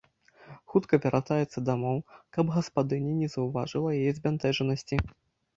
Хутка вяртаецца дамоў, каб гаспадыня не заўважыла яе збянтэжанасці.